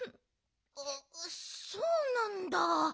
そうなんだ